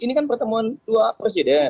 ini kan pertemuan dua presiden